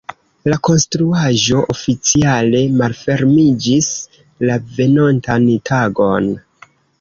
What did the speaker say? La konstruaĵo oficiale malfermiĝis la venontan tagon.